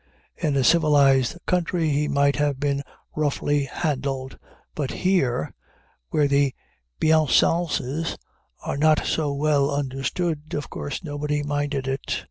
In a civilized country he might have been roughly handled; but here, where the bienséances are not so well understood, of course nobody minded it.